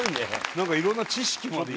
なんかいろんな知識まで。